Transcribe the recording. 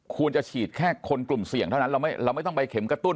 ควรจะฉีดแค่คนกลุ่มเสี่ยงเท่านั้นเราไม่ต้องไปเข็มกระตุ้น